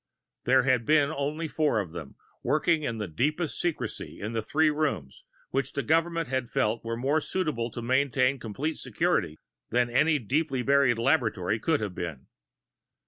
There had been only the four of them, working in deepest secrecy in the three rooms which the government had felt were more suitable to maintain complete security than any deeply buried laboratory could have been.